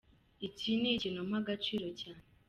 Iki ni ikintu mpa agaciro cyane.